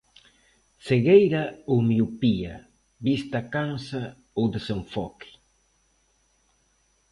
Cegueira ou miopía, vista cansa ou desenfoque.